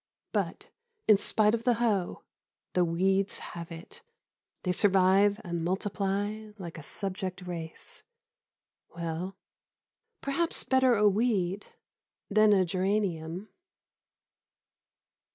But, in spite of the hoe, the weeds have it. They survive and multiply like a subject race.... Well, perhaps better a weed than a geranium.